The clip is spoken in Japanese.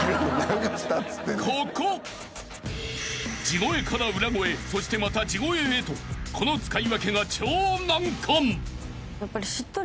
［地声から裏声そしてまた地声へとこの使い分けが超難関］